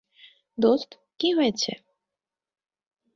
দোস্ত, কি হয়েছে?